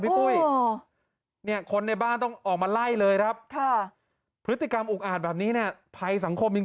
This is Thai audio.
ไม่ได้สนับสนุนความรุนแรงนะแต่ไม่ได้ยอมจริง